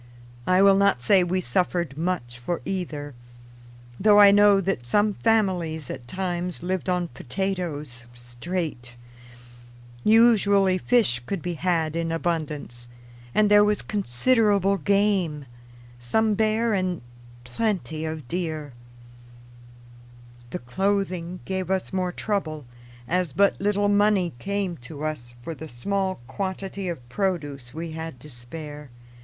I will not say we suffered much for either, though I know that some families at times lived on potatoes, straight. Usually fish could be had in abundance, and there was considerable game some bear and plenty of deer. [Illustration: The Christmas tree with its homemade gifts.] The clothing gave us more trouble, as but little money came to us for the small quantity of produce we had to spare.